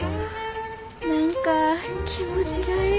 何か気持ちがええ。